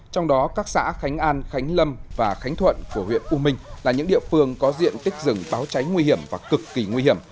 trong đó các xã khánh an khánh lâm và khánh thuận của huyện u minh là những địa phương có diện tích rừng báo cháy nguy hiểm và cực kỳ nguy hiểm